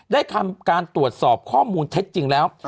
ได้ทำการตรวจสอบข้อมูลเท็จจริงแล้ว